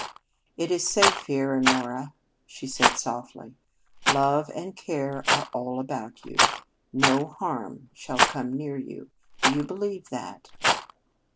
"It is safe, here, Honora," she said softly. "Love and care are all about you. No harm shall come near you. Do you believe that?"